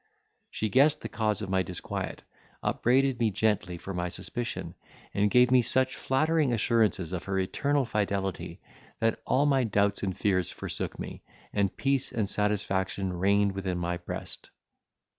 She guessed the cause of my disquiet, upbraided me gently for my suspicion, and gave me such flattering assurances of her eternal fidelity, that all my doubts and fears forsook me, and peace and satisfaction reigned within my breast.